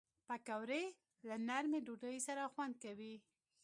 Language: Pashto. پکورې له نرمې ډوډۍ سره خوند کوي